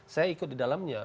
saya ikut di dalamnya